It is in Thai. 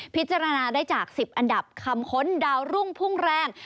พิจารณาได้จาก๑๐อันดับคำค้นดาวรุ่งพุ่งแรง